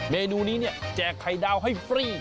เมนูนี้เนี่ยแจกไข่ดาวให้ฟรี